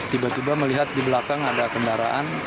tiba tiba melihat di belakang ada kendaraan